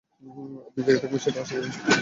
আপনি জেগে থাকবেন সেটাও আশা করিনি।